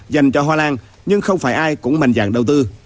dành cho hoa lan nhưng không phải ai cũng mạnh dạng đầu tư